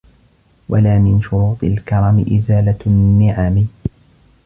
وَلَا مِنْ شُرُوطِ الْكَرَمِ إزَالَةُ النِّعَمِ